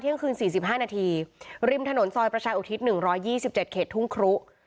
เที่ยงคืนสี่สิบห้านาทีริมถนนซอยประชาอุทิศหนึ่งร้อยยี่สิบเจ็ดเขตทุ่งครู้